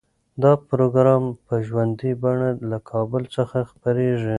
دا پروګرام په ژوندۍ بڼه له کابل څخه خپریږي.